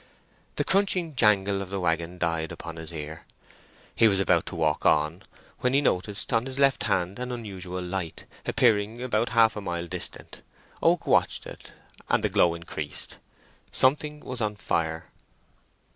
The crunching jangle of the waggon died upon his ear. He was about to walk on, when he noticed on his left hand an unusual light—appearing about half a mile distant. Oak watched it, and the glow increased. Something was on fire.